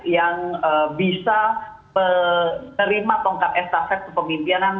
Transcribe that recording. yang bisa menerima tongkat estafet kepemimpinan